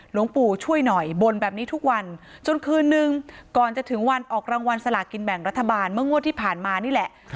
หลวงปู่ช่วยหน่อยบ่นแบบนี้ทุกวันจนคืนนึงก่อนจะถึงวันออกรางวัลสลากินแบ่งรัฐบาลเมื่องวดที่ผ่านมานี่แหละ